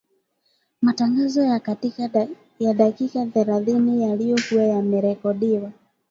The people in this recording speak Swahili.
Matangazo ya dakika thelathini yaliyokuwa yamerekodiwa